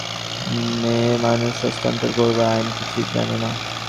মেয়েমানুষ, হস্তান্তর করবার আইন কিছুই জান না।